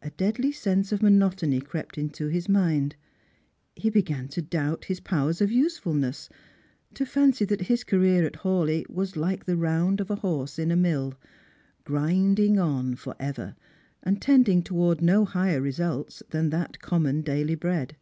A deadly iense of monotony crept into his mind. He began to doubt hi? 124 Strangers and Pilgrims. {)0wer8 of usefulness ; to fancy that his career at Hawleigh •was ike the round of a horse in a mill, grinding on for ever, and tending towards no higher result than that common daily bread.